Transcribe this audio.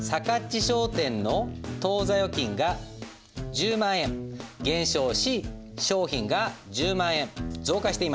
ち商店の当座預金が１０万円減少し商品が１０万円増加しています。